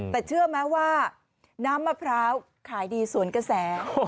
แต่เชื่อไหมว่าน้ำมะพร้าวขายดีสวนกระแส